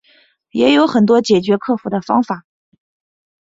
也有很多解决克服的方法